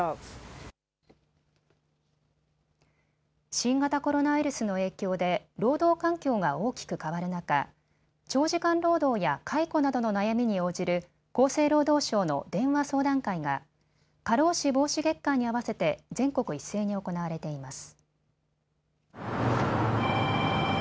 新型コロナウイルスの影響で労働環境が大きく変わる中、長時間労働や解雇などの悩みに応じる厚生労働省の電話相談会が過労死防止月間に合わせて全国一斉に行われています。